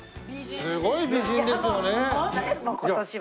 すごい美人ですよね。